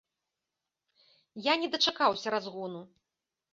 Я не дачакаўся разгону.